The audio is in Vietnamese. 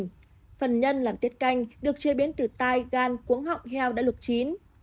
phần nhân làm tiết canh được chế biến từ tai gan cuống họng heo đã luộc chín